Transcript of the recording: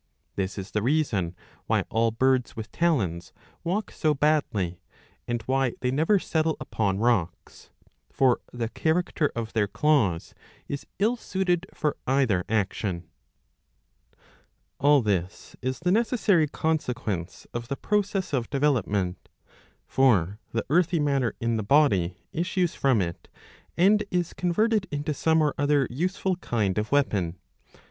This is the reason why all birds with talons walk so badly, and why 694 a. IV. 12. 133 they never settle upon rocks.^''' For the character of their claws is ill suited for either action. All this is the necessary consequence of the process of develop ment. For the earthy matter in the body issues from it and is converted into some or other useful kind of weapon.